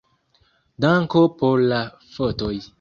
Danko por la fotoj.